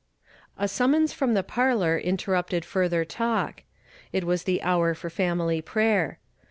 A sununons from the parlor inl(»rrupted further talk. It was tiie hour for family prayer.